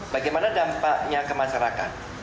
bagaimana dampaknya ke masyarakat